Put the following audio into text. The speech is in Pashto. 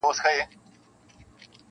له واخانه تر پنجشیره د هري تر منارونو -